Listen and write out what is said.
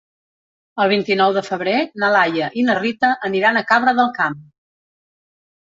El vint-i-nou de febrer na Laia i na Rita aniran a Cabra del Camp.